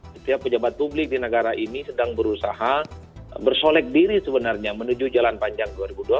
setiap pejabat publik di negara ini sedang berusaha bersolek diri sebenarnya menuju jalan panjang dua ribu dua puluh